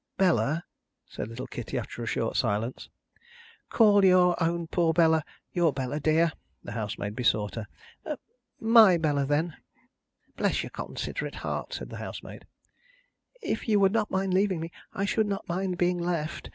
"Bella," said little Kitty, after a short silence. "Call your own poor Bella, your Bella, dear," the housemaid besought her. "My Bella, then." "Bless your considerate heart!" said the housemaid. "If you would not mind leaving me, I should not mind being left.